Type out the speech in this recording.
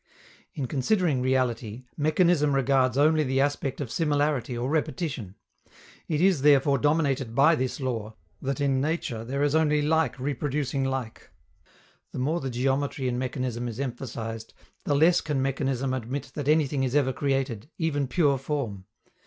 In considering reality, mechanism regards only the aspect of similarity or repetition. It is therefore dominated by this law, that in nature there is only like reproducing like. The more the geometry in mechanism is emphasized, the less can mechanism admit that anything is ever created, even pure form.